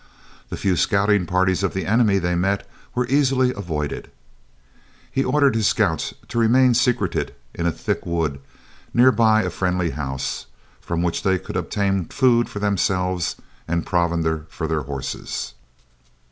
The few scouting parties of the enemy they met were easily avoided. He ordered his scouts to remain secreted in a thick wood near by a friendly house, from which they could obtain food for themselves and provender for their horses.